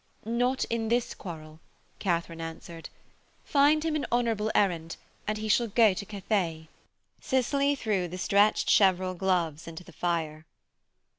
'Not in this quarrel,' Katharine answered. 'Find him an honourable errand, and he shall go to Kathay.' Cicely threw the stretched cheverel glove into the fire.